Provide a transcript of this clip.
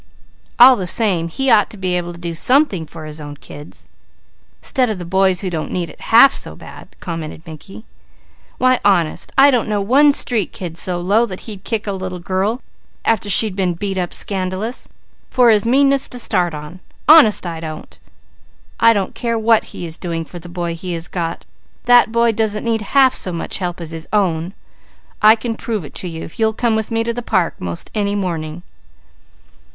"All the same, he ought to be able to do something for his own kids, 'stead of boys who don't need it half so bad," commented Mickey. "Why honest, I don't know one street kid so low that he'd kick a little girl after she'd been beat up scandalous, for his meanness to start on. Honest, I don't! I don't care what he is doing for the boy he has got, that boy doesn't need help half so much as his own; I can prove it to you, if you'll come with me to the park 'most any morning."